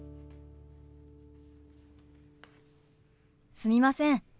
すみません。